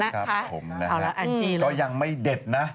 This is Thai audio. ก็ยังไม่เด็ดนะ